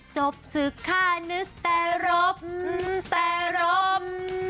จบศึกค่ะนึกแต่รบแต่รม